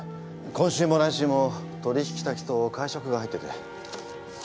今週も来週も取引先と会食が入ってて。